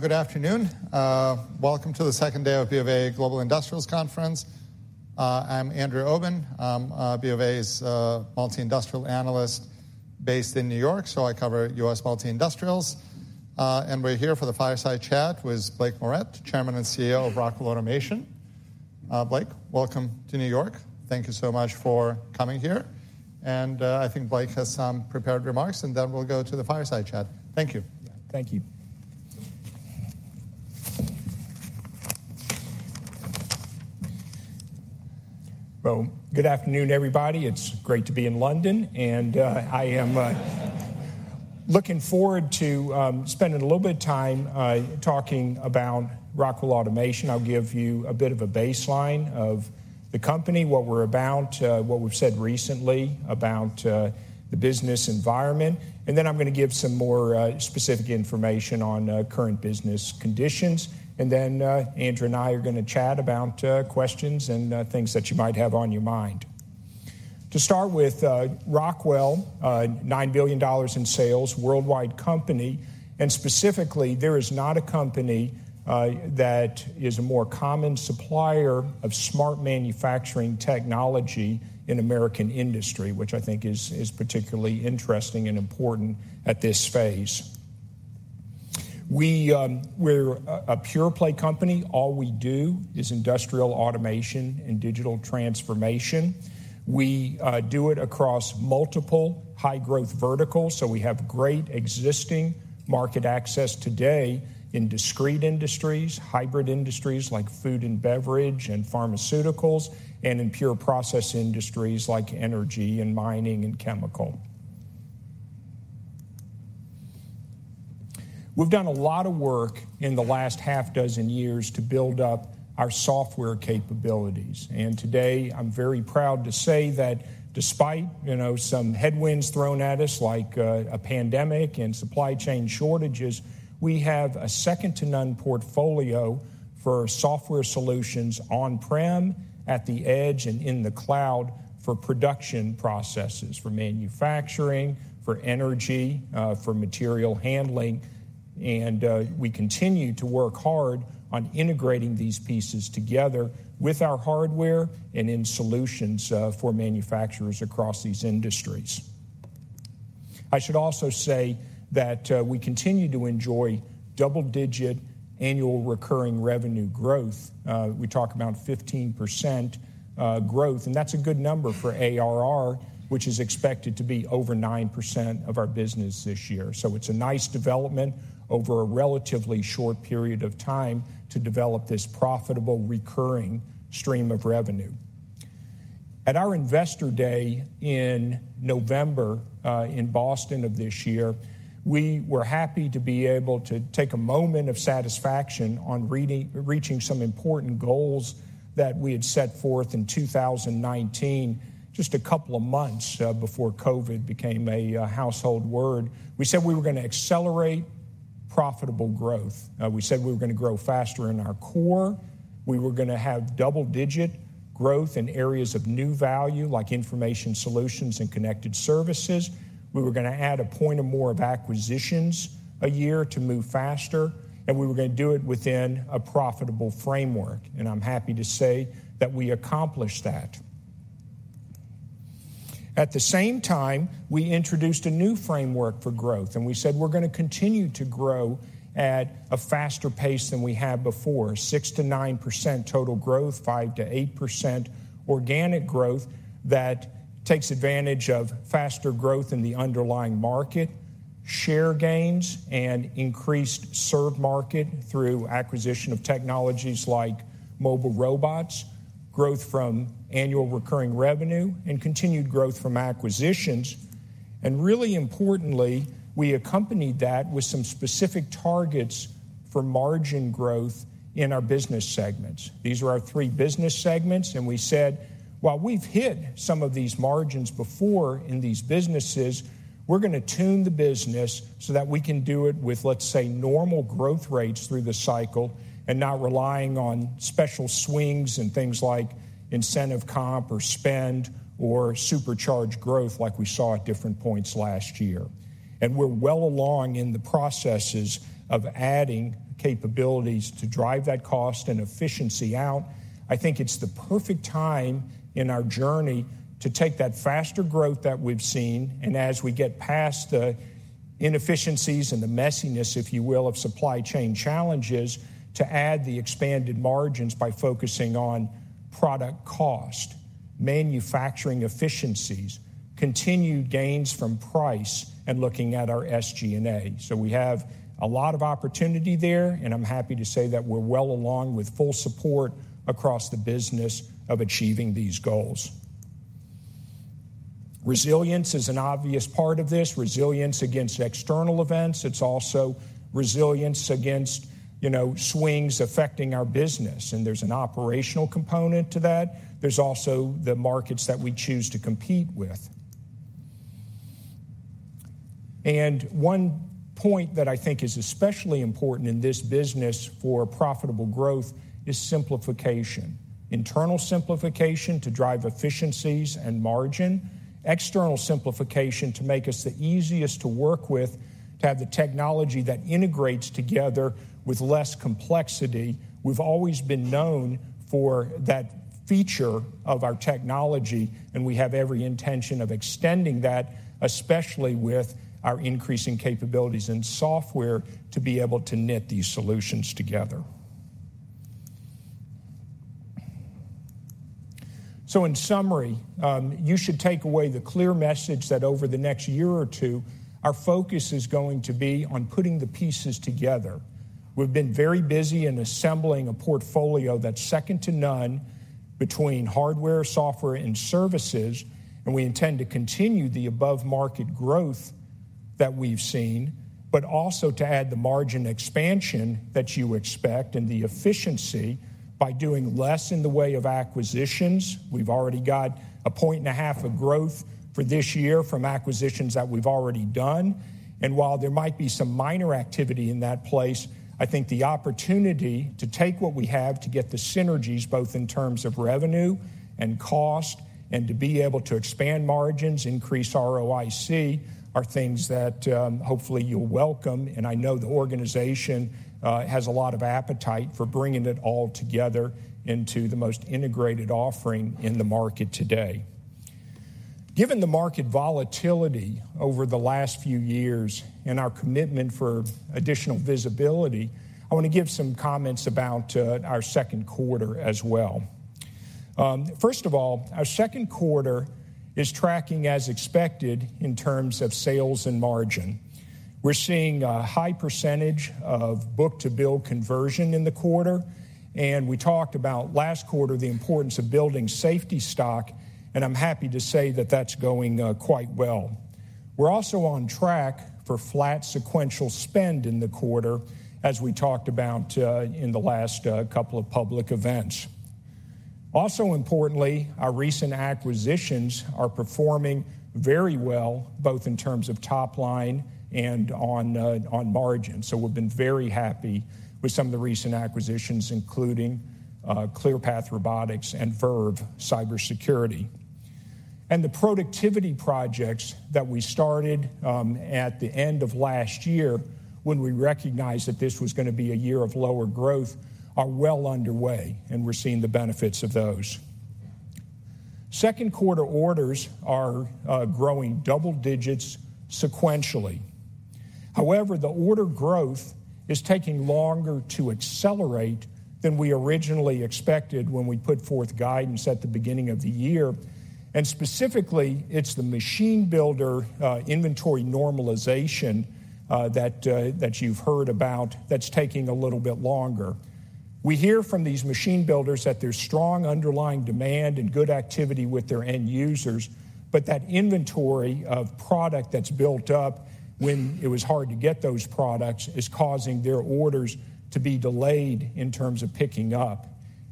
Good afternoon. Welcome to the second day of BofA Global Industrials Conference. I'm Andrew Obin. BofA's multi-industry analyst based in New York, so I cover U.S. multi-industrials. We're here for the fireside chat with Blake Moret, Chairman and CEO of Rockwell Automation. Blake, welcome to New York. Thank you so much for coming here. I think Blake has some prepared remarks, and then we'll go to the fireside chat. Thank you. Thank you. Well, good afternoon, everybody. It's great to be in London, and I am looking forward to spending a little bit of time talking about Rockwell Automation. I'll give you a bit of a baseline of the company, what we're about, what we've said recently about the business environment. And then I'm gonna give some more specific information on current business conditions, and then Andrew and I are gonna chat about questions and things that you might have on your mind. To start with, Rockwell, $9 billion in sales, worldwide company, and specifically, there is not a company that is a more common supplier of smart manufacturing technology in American industry, which I think is particularly interesting and important at this phase. We, we're a pure-play company. All we do is industrial automation and digital transformation. We do it across multiple high-growth verticals, so we have great existing market access today in discrete industries, hybrid industries like food and beverage and pharmaceuticals, and in pure process industries like energy and mining and chemical. We've done a lot of work in the last six years to build up our software capabilities, and today I'm very proud to say that despite, you know, some headwinds thrown at us like a pandemic and supply chain shortages, we have a second-to-none portfolio for software solutions on-prem, at the edge, and in the cloud for production processes, for manufacturing, for energy, for material handling, and we continue to work hard on integrating these pieces together with our hardware and in solutions for manufacturers across these industries. I should also say that we continue to enjoy double-digit annual recurring revenue growth. We talk about 15% growth, and that's a good number for ARR, which is expected to be over 9% of our business this year. So it's a nice development over a relatively short period of time to develop this profitable recurring stream of revenue. At our investor day in November, in Boston of this year, we were happy to be able to take a moment of satisfaction on reaching some important goals that we had set forth in 2019, just a couple of months before COVID became a household word. We said we were gonna accelerate profitable growth. We said we were gonna grow faster in our core. We were gonna have double-digit growth in areas of new value like information solutions and connected services. We were gonna add a point or more of acquisitions a year to move faster, and we were gonna do it within a profitable framework, and I'm happy to say that we accomplished that. At the same time, we introduced a new framework for growth, and we said we're gonna continue to grow at a faster pace than we had before, 6%-9% total growth, 5%-8% organic growth that takes advantage of faster growth in the underlying market, share gains, and increased service market through acquisition of technologies like mobile robots, growth from annual recurring revenue, and continued growth from acquisitions. Really importantly, we accompanied that with some specific targets for margin growth in our business segments. These are our three business segments, and we said, "While we've hit some of these margins before in these businesses, we're gonna tune the business so that we can do it with, let's say, normal growth rates through the cycle and not relying on special swings and things like incentive comp or spend or supercharged growth like we saw at different points last year." And we're well along in the processes of adding capabilities to drive that cost and efficiency out. I think it's the perfect time in our journey to take that faster growth that we've seen, and as we get past the inefficiencies and the messiness, if you will, of supply chain challenges, to add the expanded margins by focusing on product cost, manufacturing efficiencies, continued gains from price, and looking at our SG&A. So we have a lot of opportunity there, and I'm happy to say that we're well along with full support across the business of achieving these goals. Resilience is an obvious part of this. Resilience against external events. It's also resilience against, you know, swings affecting our business, and there's an operational component to that. There's also the markets that we choose to compete with. And one point that I think is especially important in this business for profitable growth is simplification, internal simplification to drive efficiencies and margin, external simplification to make us the easiest to work with, to have the technology that integrates together with less complexity. We've always been known for that feature of our technology, and we have every intention of extending that, especially with our increasing capabilities in software to be able to knit these solutions together. In summary, you should take away the clear message that over the next year or two, our focus is going to be on putting the pieces together. We've been very busy in assembling a portfolio that's second to none between hardware, software, and services, and we intend to continue the above-market growth that we've seen, but also to add the margin expansion that you expect and the efficiency by doing less in the way of acquisitions. We've already got 1.5 points of growth for this year from acquisitions that we've already done, and while there might be some minor activity in that place, I think the opportunity to take what we have to get the synergies both in terms of revenue and cost and to be able to expand margins, increase ROIC are things that, hopefully you'll welcome, and I know the organization has a lot of appetite for bringing it all together into the most integrated offering in the market today. Given the market volatility over the last few years and our commitment for additional visibility, I wanna give some comments about our second quarter as well. First of all, our second quarter is tracking as expected in terms of sales and margin. We're seeing a high percentage of Book-to-Bill conversion in the quarter, and we talked about last quarter the importance of building safety stock, and I'm happy to say that that's going quite well. We're also on track for flat sequential spend in the quarter as we talked about in the last couple of public events. Also importantly, our recent acquisitions are performing very well both in terms of top line and on margin, so we've been very happy with some of the recent acquisitions, including Clearpath Robotics and Verve Cybersecurity. And the productivity projects that we started at the end of last year when we recognized that this was gonna be a year of lower growth are well underway, and we're seeing the benefits of those. Second quarter orders are growing double digits sequentially. However, the order growth is taking longer to accelerate than we originally expected when we put forth guidance at the beginning of the year, and specifically, it's the machine builderinventory normalization, that, that you've heard about that's taking a little bit longer. We hear from these Machine Builders that there's strong underlying demand and good activity with their end users, but that inventory of product that's built up when it was hard to get those products is causing their orders to be delayed in terms of picking up,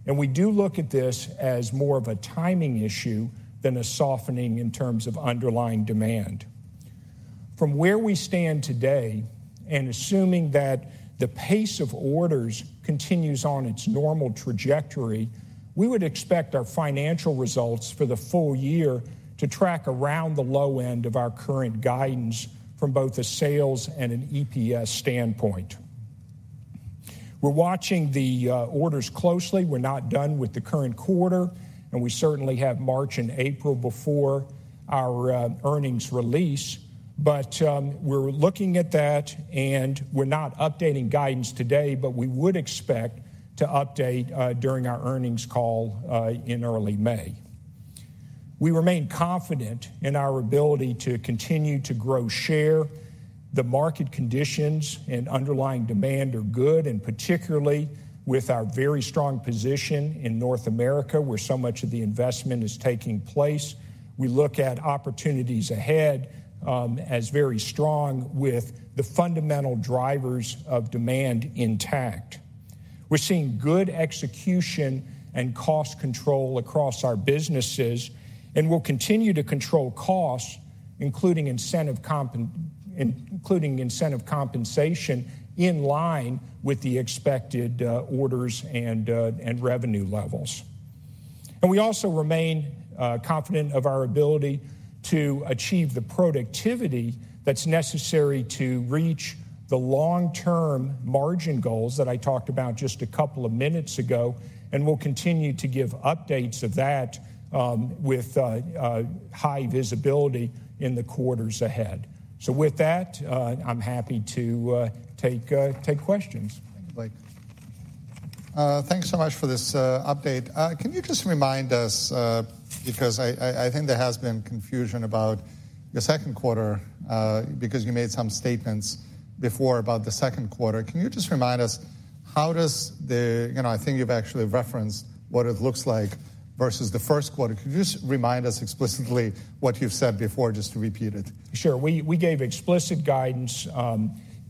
and we do look at this as more of a timing issue than a softening in terms of underlying demand. From where we stand today, and assuming that the pace of orders continues on its normal trajectory, we would expect our financial results for the full year to track around the low end of our current guidance from both a sales and an EPS standpoint. We're watching the orders closely. We're not done with the current quarter, and we certainly have March and April before our earnings release, but we're looking at that, and we're not updating guidance today, but we would expect to update during our earnings call in early May. We remain confident in our ability to continue to grow share. The market conditions and underlying demand are good, and particularly with our very strong position in North America where so much of the investment is taking place, we look at opportunities ahead as very strong with the fundamental drivers of demand intact. We're seeing good execution and cost control across our businesses, and we'll continue to control costs, including incentive compensation in line with the expected orders and revenue levels. And we also remain confident of our ability to achieve the productivity that's necessary to reach the long-term margin goals that I talked about just a couple of minutes ago, and we'll continue to give updates of that, with high visibility in the quarters ahead. So with that, I'm happy to take questions. Thank you, Blake.Thanks so much for this update. Can you just remind us, because I think there has been confusion about your second quarter, because you made some statements before about the second quarter. Can you just remind us how does the, you know, I think you've actually referenced what it looks like versus the first quarter. Could you just remind us explicitly what you've said before just to repeat it? Sure. We, we gave explicit guidance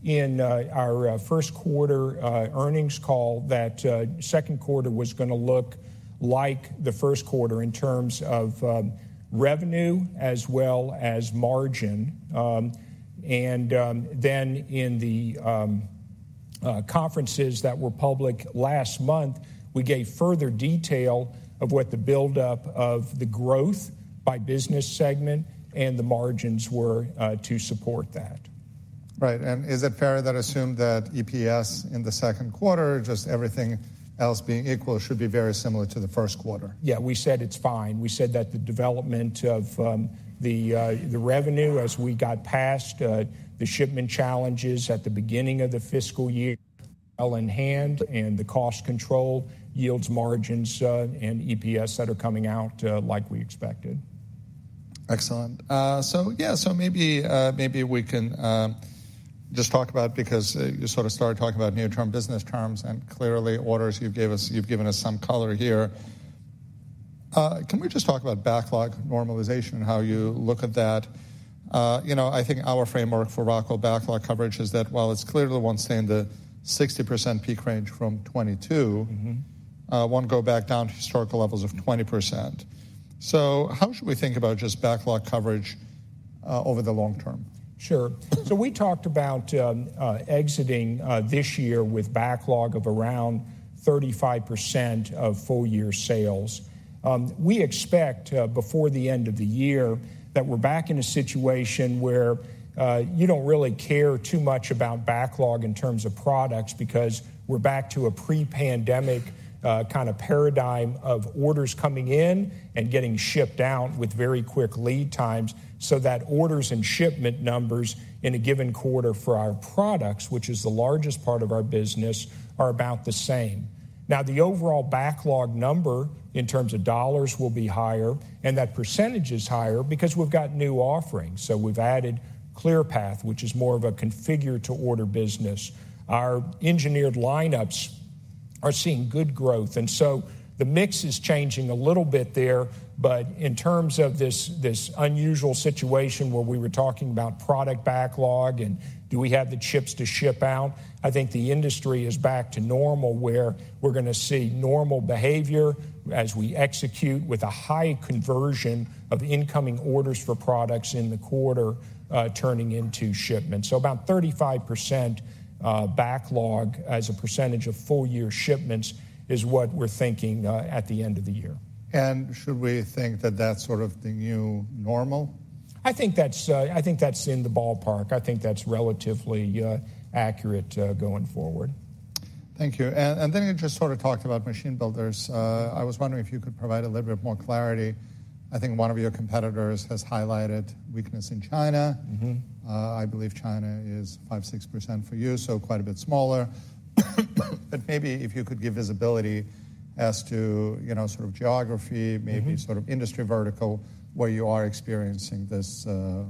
in our first quarter earnings call that second quarter was gonna look like the first quarter in terms of revenue as well as margin. Then in the conferences that were public last month, we gave further detail of what the buildup of the growth by business segment and the margins were to support that. Right. And is it fair to assume that EPS in the second quarter, just everything else being equal, should be very similar to the first quarter? Yeah. We said it's fine. We said that the development of the revenue as we got past the shipment challenges at the beginning of the fiscal year well in hand and the cost control, yields, margins, and EPS that are coming out, like we expected. Excellent. So yeah, maybe we can just talk about because you sort of started talking about near-term business terms, and clearly, orders you've given us some color here. Can we just talk about backlog normalization and how you look at that? You know, I think our framework for Rockwell backlog coverage is that while it's clearly won't stay in the 60% peak range from 2022, won't go back down to historical levels of 20%. So how should we think about just backlog coverage over the long term? Sure. So we talked about exiting this year with backlog of around 35% of full-year sales. We expect before the end of the year that we're back in a situation where you don't really care too much about backlog in terms of products because we're back to a pre-pandemic kind of paradigm of orders coming in and getting shipped out with very quick lead times so that orders and shipment numbers in a given quarter for our products, which is the largest part of our business, are about the same. Now, the overall backlog number in terms of dollars will be higher, and that percentage is higher because we've got new offerings. So we've added Clearpath, which is more of a configure-to-order business. Our engineered lineups are seeing good growth, and so the mix is changing a little bit there, but in terms of this, this unusual situation where we were talking about product backlog and do we have the chips to ship out, I think the industry is back to normal where we're gonna see normal behavior as we execute with a high conversion of incoming orders for products in the quarter, turning into shipments. So about 35%, backlog as a percentage of full-year shipments is what we're thinking, at the end of the year. Should we think that that's sort of the new normal? I think that's in the ballpark. I think that's relatively accurate, going forward. Thank you. And then you just sort of talked about machine builders. I was wondering if you could provide a little bit more clarity. I think one of your competitors has highlighted weakness in China. I believe China is 5%-6% for you, so quite a bit smaller, but maybe if you could give visibility as to, you know, sort of geography, maybe sort of industry vertical where you are experiencing this,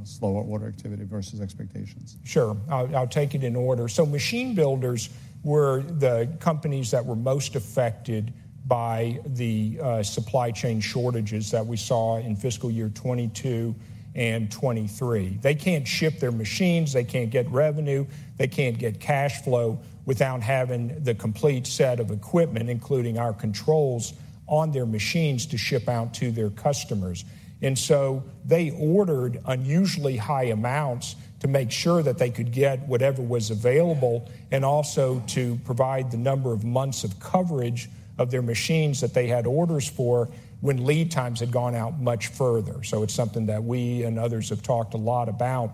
slower order activity versus expectations. Sure. I'll, I'll take it in order. So machine builders were the companies that were most affected by the, supply chain shortages that we saw in fiscal year 2022 and 2023. They can't ship their machines. They can't get revenue. They can't get cash flow without having the complete set of equipment, including our controls, on their machines to ship out to their customers. And so they ordered unusually high amounts to make sure that they could get whatever was available and also to provide the number of months of coverage of their machines that they had orders for when lead times had gone out much further. So it's something that we and others have talked a lot about.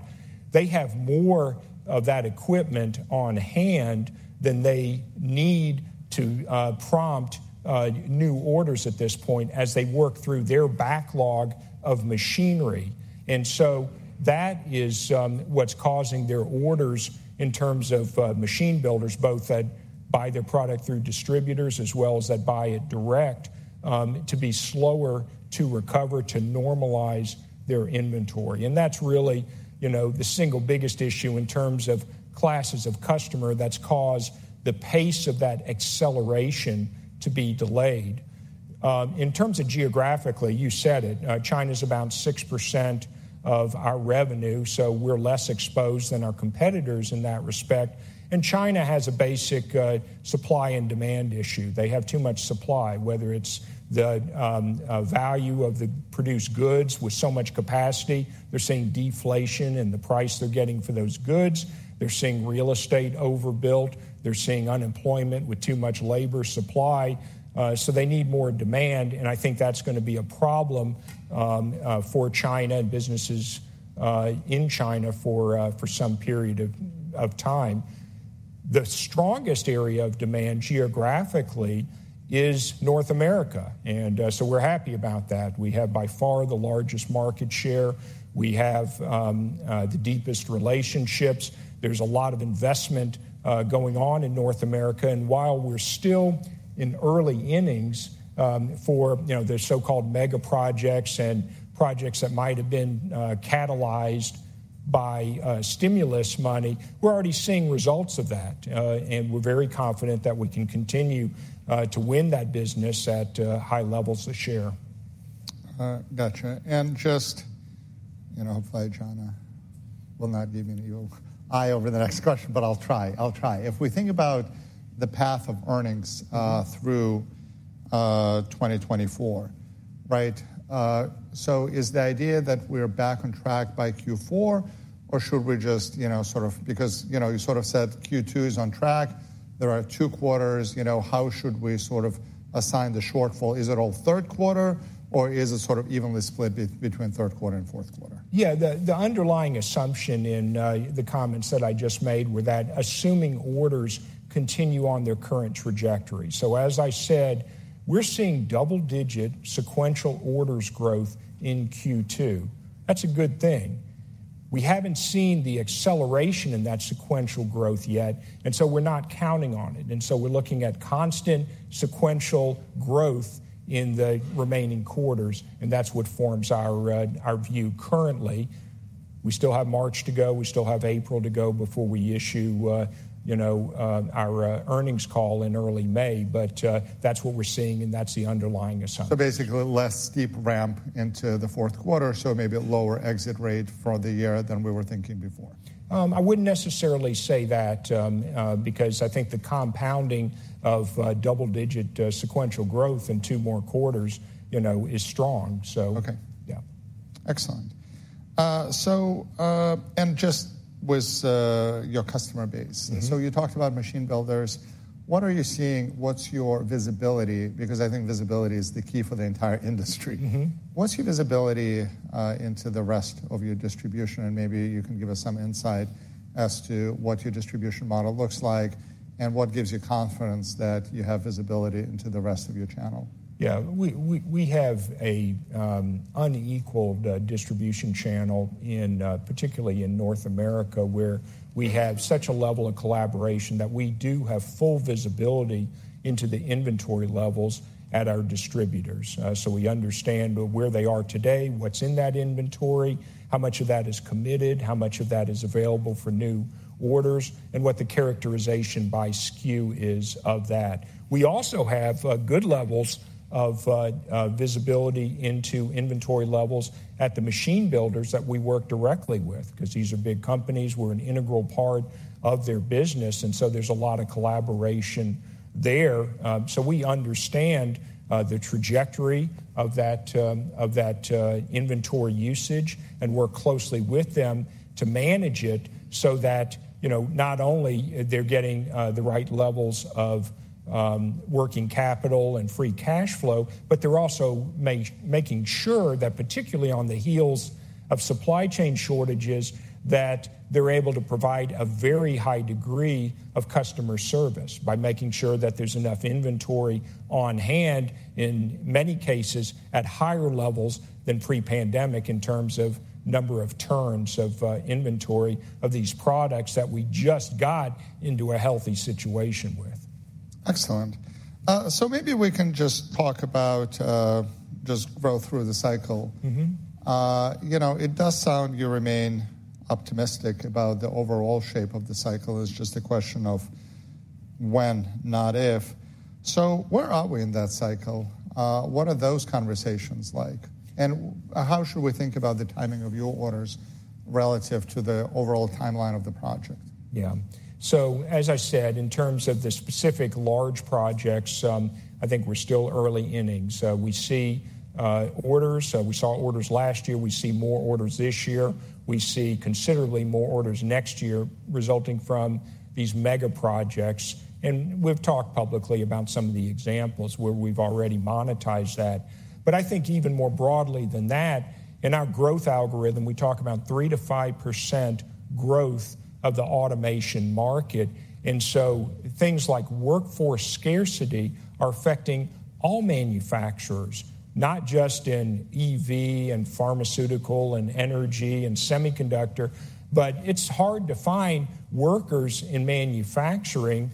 They have more of that equipment on hand than they need to prompt new orders at this point as they work through their backlog of machinery. That is what's causing their orders in terms of machine builders, both that buy their product through distributors as well as that buy it direct, to be slower to recover, to normalize their inventory. That's really, you know, the single biggest issue in terms of classes of customer that's caused the pace of that acceleration to be delayed. In terms of geographically, you said it. China's about 6% of our revenue, so we're less exposed than our competitors in that respect. China has a basic supply and demand issue. They have too much supply, whether it's the value of the produced goods with so much capacity. They're seeing deflation in the price they're getting for those goods. They're seeing real estate overbuilt. They're seeing unemployment with too much labor supply. So they need more demand, and I think that's gonna be a problem for China and businesses in China for some period of time. The strongest area of demand geographically is North America, and so we're happy about that. We have by far the largest market share. We have the deepest relationships. There's a lot of investment going on in North America, and while we're still in early innings for you know the so-called mega projects and projects that might have been catalyzed by stimulus money, we're already seeing results of that, and we're very confident that we can continue to win that business at high levels of share. Gotcha. And just, you know, hopefully, Aijana will not give me an eagle eye over the next question, but I'll try. I'll try. If we think about the path of earnings through 2024, right, so is the idea that we're back on track by Q4, or should we just, you know, sort of because, you know, you sort of said Q2 is on track. There are two quarters. You know, how should we sort of assign the shortfall? Is it all third quarter, or is it sort of evenly split between third quarter and fourth quarter? Yeah. The underlying assumption in the comments that I just made were that assuming orders continue on their current trajectory. So as I said, we're seeing double-digit sequential orders growth in Q2. That's a good thing. We haven't seen the acceleration in that sequential growth yet, and so we're not counting on it. And so we're looking at constant sequential growth in the remaining quarters, and that's what forms our view currently. We still have March to go. We still have April to go before we issue, you know, our earnings call in early May, but that's what we're seeing, and that's the underlying assumption. Basically, less steep ramp into the fourth quarter, so maybe a lower exit rate for the year than we were thinking before? I wouldn't necessarily say that, because I think the compounding of double-digit sequential growth in two more quarters, you know, is strong, so. Okay. Yeah. Excellent. So, and just with your customer base. Mm-hmm. So you talked about machine builders. What are you seeing? What's your visibility? Because I think visibility is the key for the entire industry. Mm-hmm. What's your visibility into the rest of your distribution? And maybe you can give us some insight as to what your distribution model looks like and what gives you confidence that you have visibility into the rest of your channel. Yeah. We have a unequaled distribution channel, particularly in North America where we have such a level of collaboration that we do have full visibility into the inventory levels at our distributors. So we understand where they are today, what's in that inventory, how much of that is committed, how much of that is available for new orders, and what the characterization by SKU is of that. We also have good levels of visibility into inventory levels at the machine builders that we work directly with 'cause these are big companies. We're an integral part of their business, and so there's a lot of collaboration there. So we understand the trajectory of that inventory usage and work closely with them to manage it so that, you know, not only they're getting the right levels of working capital and free cash flow, but they're also making sure that, particularly on the heels of supply chain shortages, that they're able to provide a very high degree of customer service by making sure that there's enough inventory on hand, in many cases, at higher levels than pre-pandemic in terms of number of turns of inventory of these products that we just got into a healthy situation with. Excellent. So maybe we can just talk about, just go through the cycle. Mm-hmm. You know, it does sound you remain optimistic about the overall shape of the cycle. It's just a question of when, not if. So where are we in that cycle? What are those conversations like, and how should we think about the timing of your orders relative to the overall timeline of the project? Yeah. So as I said, in terms of the specific large projects, I think we're still early innings. We see orders. We saw orders last year. We see more orders this year. We see considerably more orders next year resulting from these mega projects. And we've talked publicly about some of the examples where we've already monetized that. But I think even more broadly than that, in our growth algorithm, we talk about 3%-5% growth of the automation market. And so things like workforce scarcity are affecting all manufacturers, not just in EV and pharmaceutical and energy and semiconductor, but it's hard to find workers in manufacturing,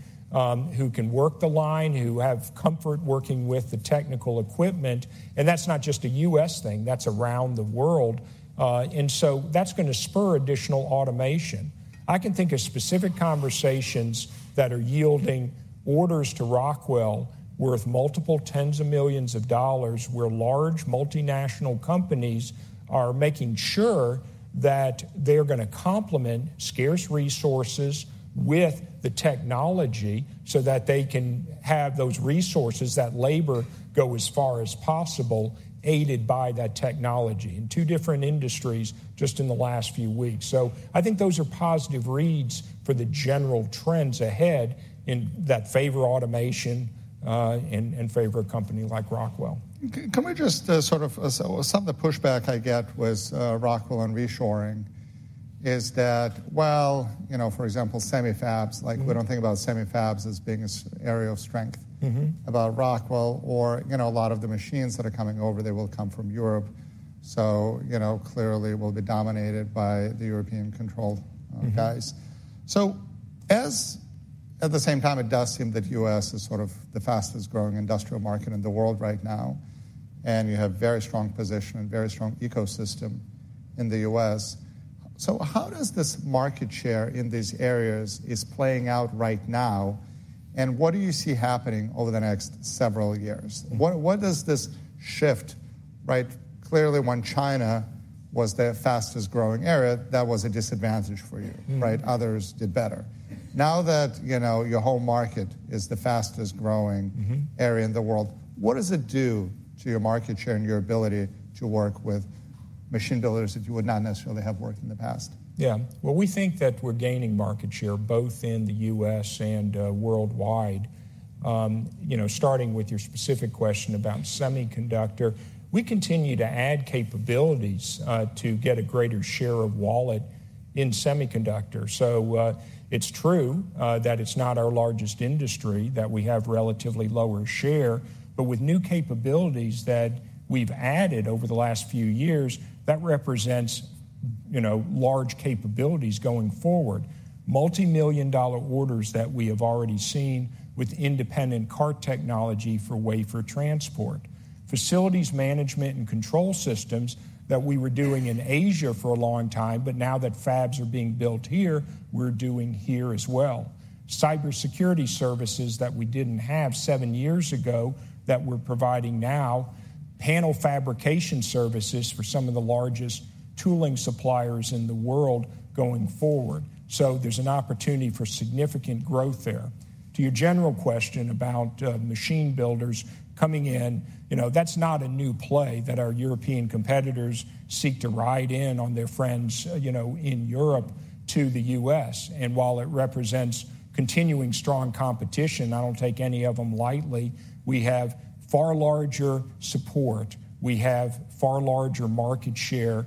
who can work the line, who have comfort working with the technical equipment. And that's not just a U.S. thing. That's around the world. And so that's gonna spur additional automation. I can think of specific conversations that are yielding orders to Rockwell worth dollars multiple tens of millions where large multinational companies are making sure that they're gonna complement scarce resources with the technology so that they can have those resources, that labor go as far as possible, aided by that technology in two different industries just in the last few weeks. So I think those are positive reads for the general trends ahead in that favor of automation, and, and favor a company like Rockwell. Can we just sort of some of the pushback I get with Rockwell and reshoring is that, well, you know, for example, semi-fabs, like, we don't think about semi-fabs as being an area of strength. Mm-hmm. About Rockwell, or you know, a lot of the machines that are coming over, they will come from Europe. So, you know, clearly, we'll be dominated by the European-controlled guys. Mm-hmm. So as at the same time, it does seem that the U.S. is sort of the fastest-growing industrial market in the world right now, and you have a very strong position and very strong ecosystem in the U.S. So how does this market share in these areas is playing out right now, and what do you see happening over the next several years? What, what does this shift, right, clearly, when China was the fastest-growing area, that was a disadvantage for you, right? Mm-hmm. Others did better. Now that, you know, your whole market is the fastest-growing. Mm-hmm. Area in the world, what does it do to your market share and your ability to work with machine builders that you would not necessarily have worked in the past? Yeah. Well, we think that we're gaining market share both in the U.S. and worldwide. You know, starting with your specific question about semiconductor, we continue to add capabilities to get a greater share of wallet in semiconductor. So, it's true that it's not our largest industry, that we have relatively lower share, but with new capabilities that we've added over the last few years, that represents, you know, large capabilities going forward, multi-million-dollar orders that we have already seen with independent cart technology for wafer transport, facilities management and control systems that we were doing in Asia for a long time, but now that fabs are being built here, we're doing here as well, cybersecurity services that we didn't have seven years ago that we're providing now, panel fabrication services for some of the largest tooling suppliers in the world going forward. So there's an opportunity for significant growth there. To your general question about, machine builders coming in, you know, that's not a new play that our European competitors seek to ride in on their friends, you know, in Europe to the U.S. And while it represents continuing strong competition, I don't take any of them lightly. We have far larger support. We have far larger market share,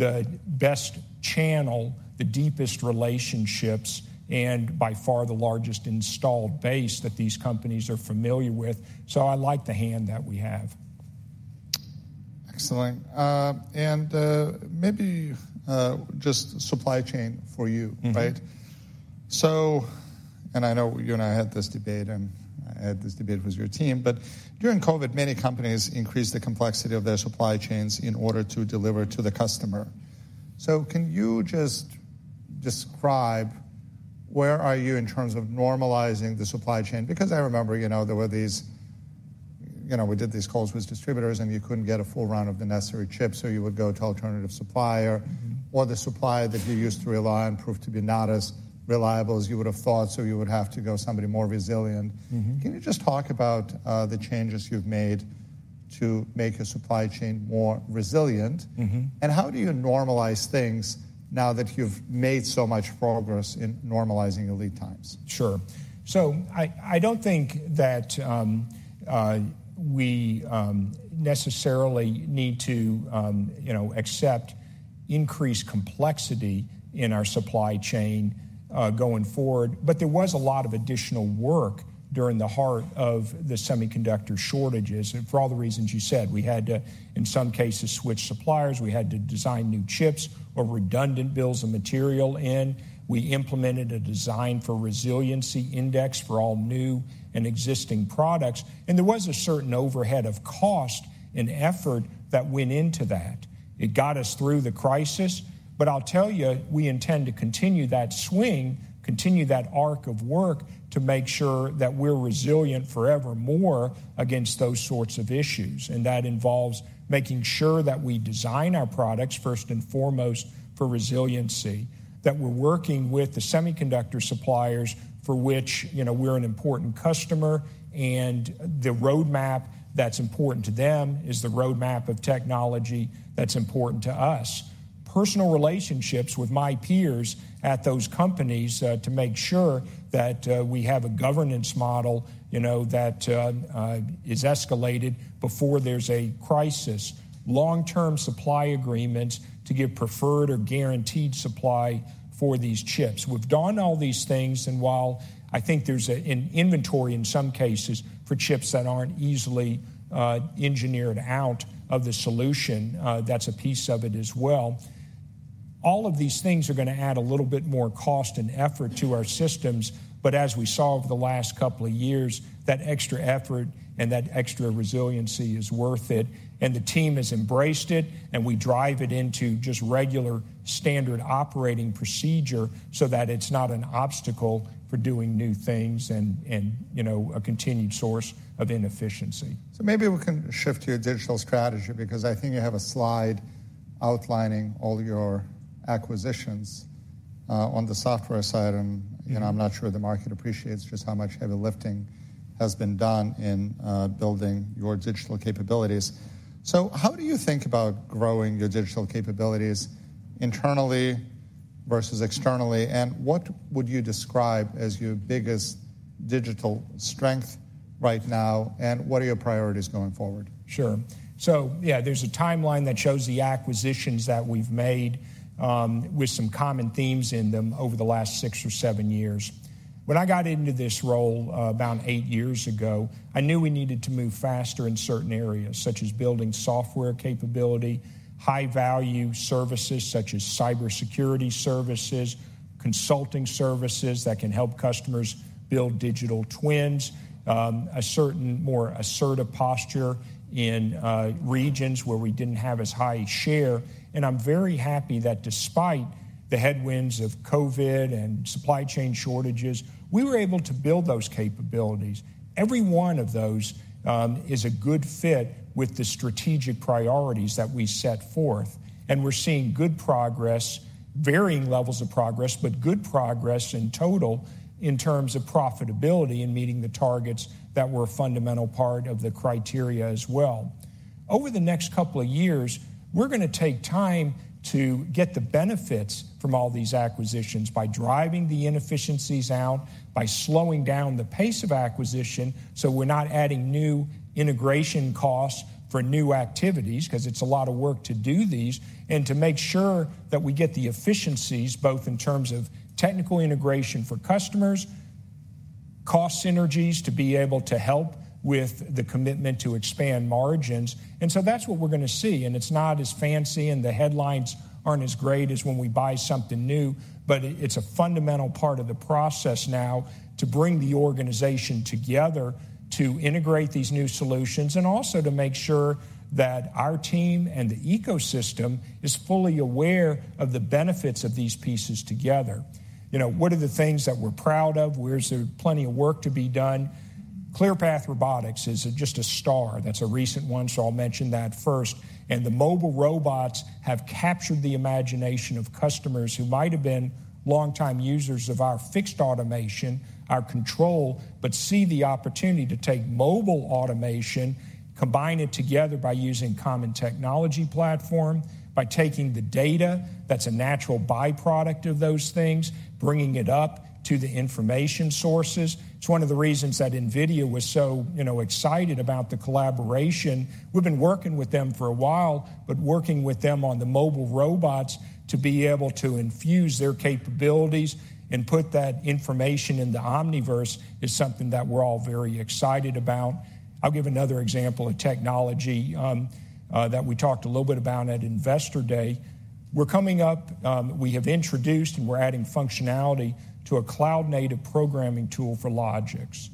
the best channel, the deepest relationships, and by far the largest installed base that these companies are familiar with. So I like the hand that we have. Excellent. Maybe, just supply chain for you, right? Mm-hmm. I know you and I had this debate, and I had this debate with your team, but during COVID, many companies increased the complexity of their supply chains in order to deliver to the customer. So can you just describe where are you in terms of normalizing the supply chain? Because I remember, you know, there were these, you know, we did these calls with distributors, and you couldn't get a full run of the necessary chips, so you would go to alternative supplier. Mm-hmm. Or the supplier that you used to rely on proved to be not as reliable as you would have thought, so you would have to go somebody more resilient. Mm-hmm. Can you just talk about the changes you've made to make your supply chain more resilient? Mm-hmm. How do you normalize things now that you've made so much progress in normalizing your lead times? Sure. So I don't think that we necessarily need to, you know, accept increased complexity in our supply chain going forward, but there was a lot of additional work during the heart of the semiconductor shortages for all the reasons you said. We had to, in some cases, switch suppliers. We had to design new chips or redundant bills of material in. We implemented a design for resiliency index for all new and existing products, and there was a certain overhead of cost and effort that went into that. It got us through the crisis, but I'll tell you, we intend to continue that swing, continue that arc of work to make sure that we're resilient forevermore against those sorts of issues. That involves making sure that we design our products, first and foremost, for resiliency, that we're working with the semiconductor suppliers for which, you know, we're an important customer, and the roadmap that's important to them is the roadmap of technology that's important to us, personal relationships with my peers at those companies, to make sure that we have a governance model, you know, that is escalated before there's a crisis, long-term supply agreements to give preferred or guaranteed supply for these chips. We've done all these things, and while I think there's an inventory in some cases for chips that aren't easily engineered out of the solution, that's a piece of it as well. All of these things are gonna add a little bit more cost and effort to our systems, but as we saw over the last couple of years, that extra effort and that extra resiliency is worth it, and the team has embraced it, and we drive it into just regular standard operating procedure so that it's not an obstacle for doing new things and, and, you know, a continued source of inefficiency. So maybe we can shift to your digital strategy because I think you have a slide outlining all your acquisitions, on the software side, and, you know, I'm not sure the market appreciates just how much heavy lifting has been done in building your digital capabilities. So how do you think about growing your digital capabilities internally versus externally, and what would you describe as your biggest digital strength right now, and what are your priorities going forward? Sure. So yeah, there's a timeline that shows the acquisitions that we've made, with some common themes in them over the last six or seven years. When I got into this role, about eight years ago, I knew we needed to move faster in certain areas such as building software capability, high-value services such as cybersecurity services, consulting services that can help customers build digital twins, a certain more assertive posture in regions where we didn't have as high a share. I'm very happy that despite the headwinds of COVID and supply chain shortages, we were able to build those capabilities. Every one of those is a good fit with the strategic priorities that we set forth, and we're seeing good progress, varying levels of progress, but good progress in total in terms of profitability and meeting the targets that were a fundamental part of the criteria as well. Over the next couple of years, we're gonna take time to get the benefits from all these acquisitions by driving the inefficiencies out, by slowing down the pace of acquisition so we're not adding new integration costs for new activities 'cause it's a lot of work to do these, and to make sure that we get the efficiencies both in terms of technical integration for customers, cost synergies to be able to help with the commitment to expand margins. And so that's what we're gonna see, and it's not as fancy, and the headlines aren't as great as when we buy something new, but it's a fundamental part of the process now to bring the organization together to integrate these new solutions and also to make sure that our team and the ecosystem is fully aware of the benefits of these pieces together. You know, what are the things that we're proud of? Where's there plenty of work to be done? Clearpath Robotics is just a star. That's a recent one, so I'll mention that first. And the mobile robots have captured the imagination of customers who might have been longtime users of our fixed automation, our control, but see the opportunity to take mobile automation, combine it together by using common technology platform, by taking the data that's a natural byproduct of those things, bringing it up to the information sources. It's one of the reasons that NVIDIA was so, you know, excited about the collaboration. We've been working with them for a while, but working with them on the mobile robots to be able to infuse their capabilities and put that information in the Omniverse is something that we're all very excited about. I'll give another example of technology, that we talked a little bit about at Investor Day. We're coming up, we have introduced, and we're adding functionality to a cloud-native programming tool for Logix.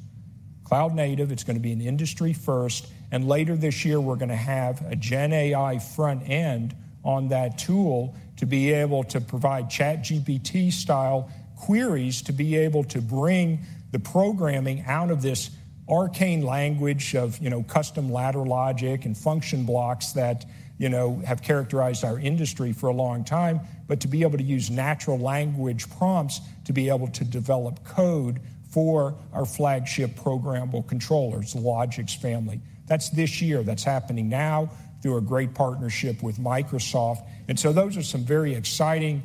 Cloud-native. It's gonna be an industry first, and later this year, we're gonna have a GenAI front-end on that tool to be able to provide ChatGPT-style queries to be able to bring the programming out of this arcane language of, you know, custom ladder logic and function blocks that, you know, have characterized our industry for a long time, but to be able to use natural language prompts to be able to develop code for our flagship programmable controllers, the Logix family. That's this year. That's happening now through a great partnership with Microsoft. So those are some very exciting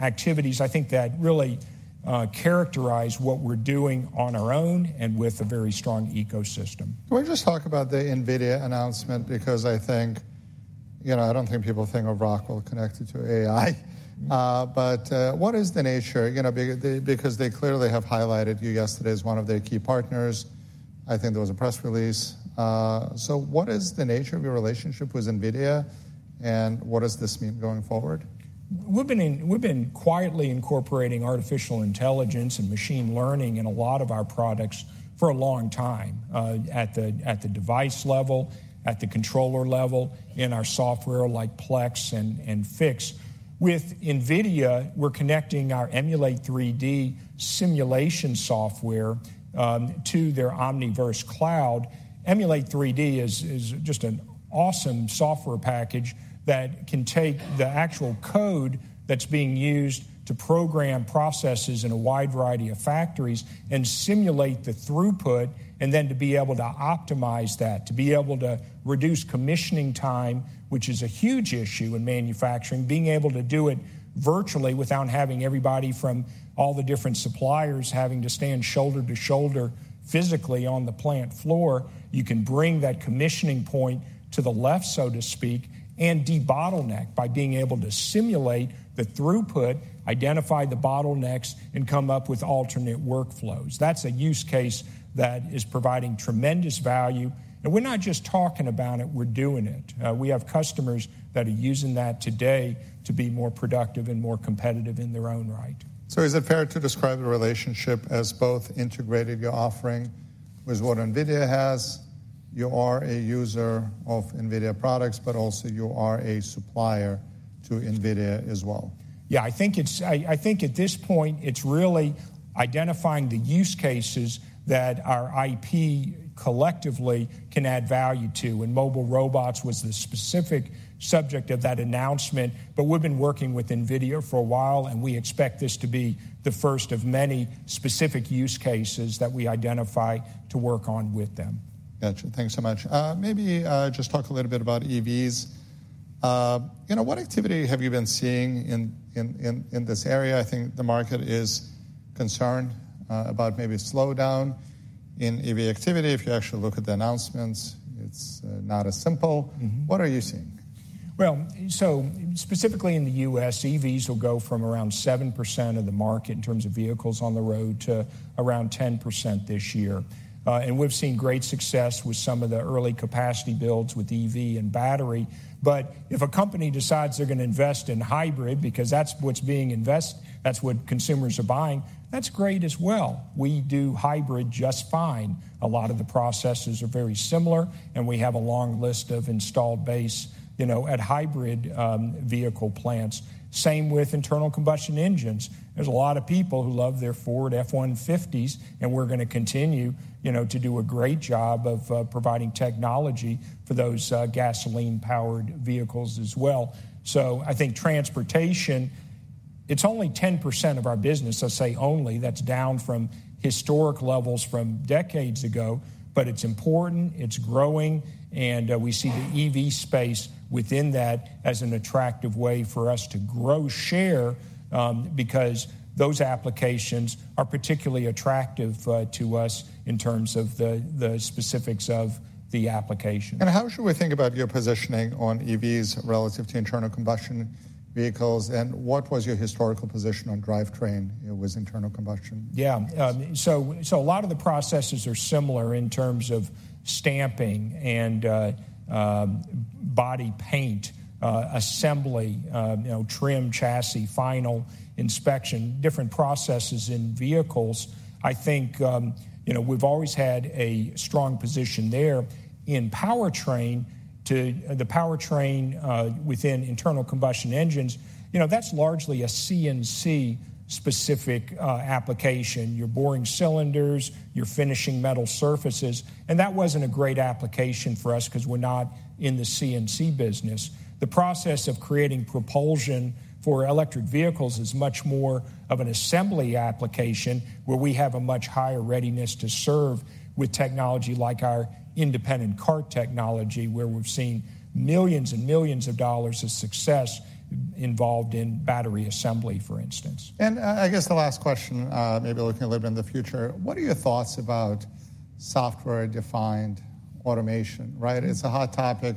activities, I think, that really characterize what we're doing on our own and with a very strong ecosystem. Can we just talk about the NVIDIA announcement because I think, you know, I don't think people think of Rockwell connected to AI, but what is the nature, you know, because they clearly have highlighted you yesterday as one of their key partners? I think there was a press release. So what is the nature of your relationship with NVIDIA, and what does this mean going forward? We've been quietly incorporating artificial intelligence and machine learning in a lot of our products for a long time, at the device level, at the controller level, in our software like Plex and Fiix. With NVIDIA, we're connecting our Emulate3D simulation software to their Omniverse Cloud. Emulate3D is just an awesome software package that can take the actual code that's being used to program processes in a wide variety of factories and simulate the throughput, and then to be able to optimize that, to be able to reduce commissioning time, which is a huge issue in manufacturing, being able to do it virtually without having everybody from all the different suppliers having to stand shoulder to shoulder physically on the plant floor. You can bring that commissioning point to the left, so to speak, and debottleneck by being able to simulate the throughput, identify the bottlenecks, and come up with alternate workflows. That's a use case that is providing tremendous value, and we're not just talking about it. We're doing it. We have customers that are using that today to be more productive and more competitive in their own right. Is it fair to describe the relationship as both integrated your offering with what NVIDIA has? You are a user of NVIDIA products, but also you are a supplier to NVIDIA as well. Yeah. I think at this point, it's really identifying the use cases that our IP collectively can add value to, and mobile robots was the specific subject of that announcement, but we've been working with NVIDIA for a while, and we expect this to be the first of many specific use cases that we identify to work on with them. Gotcha. Thanks so much. Maybe, just talk a little bit about EVs. You know, what activity have you been seeing in this area? I think the market is concerned about maybe a slowdown in EV activity. If you actually look at the announcements, it's not as simple. Mm-hmm. What are you seeing? Well, so specifically in the U.S., EVs will go from around 7% of the market in terms of vehicles on the road to around 10% this year. And we've seen great success with some of the early capacity builds with EV and battery, but if a company decides they're gonna invest in hybrid because that's what's being invested, that's what consumers are buying, that's great as well. We do hybrid just fine. A lot of the processes are very similar, and we have a long list of installed base, you know, at hybrid vehicle plants. Same with internal combustion engines. There's a lot of people who love their Ford F-150s, and we're gonna continue, you know, to do a great job of providing technology for those gasoline-powered vehicles as well. So I think transportation, it's only 10% of our business, I'll say only. That's down from historic levels from decades ago, but it's important. It's growing, and we see the EV space within that as an attractive way for us to grow share, because those applications are particularly attractive to us in terms of the specifics of the application. How should we think about your positioning on EVs relative to internal combustion vehicles, and what was your historical position on drivetrain with internal combustion? Yeah. So, so a lot of the processes are similar in terms of stamping and body paint, assembly, you know, trim, chassis, final inspection, different processes in vehicles. I think, you know, we've always had a strong position there in powertrain to the powertrain, within internal combustion engines. You know, that's largely a CNC-specific application. You're boring cylinders. You're finishing metal surfaces, and that wasn't a great application for us 'cause we're not in the CNC business. The process of creating propulsion for electric vehicles is much more of an assembly application where we have a much higher readiness to serve with technology like our Independent Cart Technology where we've seen millions and millions of dollars of success involved in battery assembly, for instance. I guess the last question, maybe looking a little bit in the future, what are your thoughts about software-defined automation, right? It's a hot topic.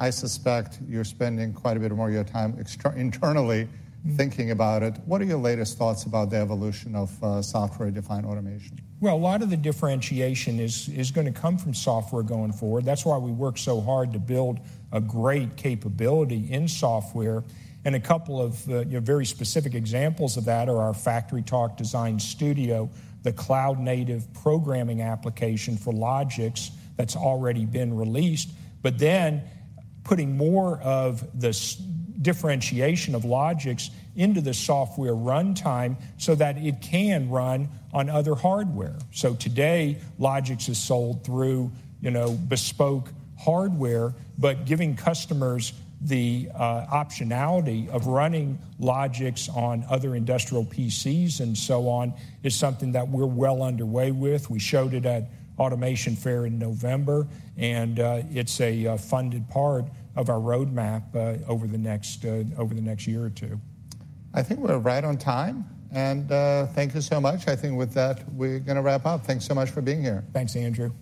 I suspect you're spending quite a bit more of your time externally thinking about it. What are your latest thoughts about the evolution of software-defined automation? Well, a lot of the differentiation is gonna come from software going forward. That's why we work so hard to build a great capability in software, and a couple of, you know, very specific examples of that are our FactoryTalk Design Studio, the cloud-native programming application for Logix that's already been released, but then putting more of the differentiation of Logix into the software runtime so that it can run on other hardware. So today, Logix is sold through, you know, bespoke hardware, but giving customers the optionality of running Logix on other industrial PCs and so on is something that we're well underway with. We showed it at Automation Fair in November, and it's a funded part of our roadmap over the next year or two. I think we're right on time, and, thank you so much. I think with that, we're gonna wrap up. Thanks so much for being here. Thanks, Andrew.